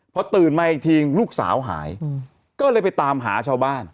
พอตื่นมาอีกทีลูกสาวหายก็เลยไปตามหาชาวบ้าน